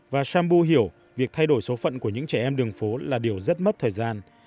và sambou hiểu việc thay đổi số phận của những trẻ em đường phố là điều rất mất thời gian